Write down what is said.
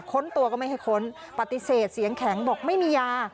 ตัวก็ไม่ให้ค้นปฏิเสธเสียงแข็งบอกไม่มียา